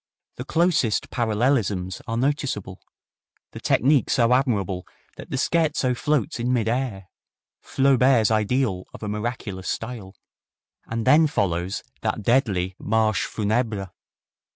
The closest parallelisms are noticeable, the technique so admirable that the scherzo floats in mid air Flaubert's ideal of a miraculous style. And then follows that deadly Marche Funebre!